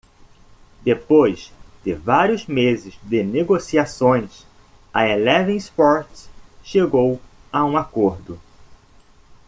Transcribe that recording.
Depois de vários meses de negociações, a Eleven Sports chegou a um acordo.